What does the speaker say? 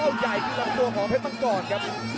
อาจารย์พยายามจะเน้นที่เก้าใหญ่ที่รับตัวของเพชรมังกรครับ